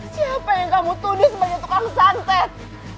siapa yang kamu itu dia content